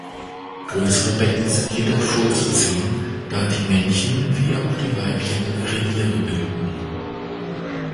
Größere Becken sind jedoch vorzuziehen, da die Männchen wie auch die Weibchen Reviere bilden.